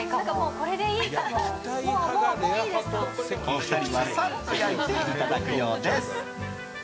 お二人はさっと焼いていただくようです。